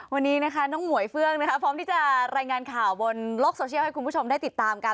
วันนี้นะคะน้องหมวยเฟืองนะคะพร้อมที่จะรายงานข่าวบนโลกโซเชียลให้คุณผู้ชมได้ติดตามกัน